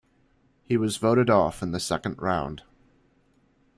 He was voted off in the second round.